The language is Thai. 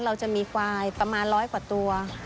เราจะมีควายประมาณร้อยกว่าตัว